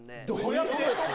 どうやって？